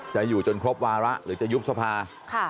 จะอยู่จนครบวาระหรือจะยุบสภา